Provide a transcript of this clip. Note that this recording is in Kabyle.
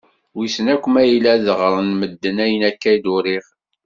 Wissen akk ma yella ad ɣren medden ayen akka d-uriɣ.